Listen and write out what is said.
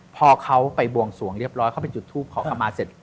พอเขาไปบวงสวงเรียบร้อยเขาไปจุดทูปขอเข้ามาเสร็จ